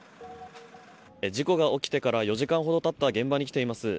事故が起きてから４時間ほど経った現場に来ています。